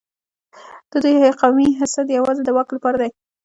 د دوی قومي حسد یوازې د واک لپاره دی.